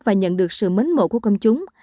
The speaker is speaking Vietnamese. và nhận được sự mến mộ của công chúng